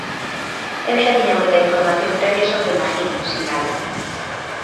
"Eu xa tiña moita información previa sobre Magín", sinala.